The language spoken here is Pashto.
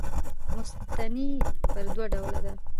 مستثنی پر دوه ډوله ده.